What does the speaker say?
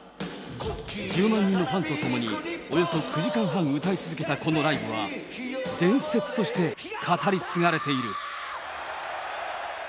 １０万人のファンと共に、およそ９時間半、歌い続けたこのライブは、伝説として語り継がれている。